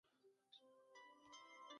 سوالګر ته یو غوړه ډوډۍ غنیمت ښکاري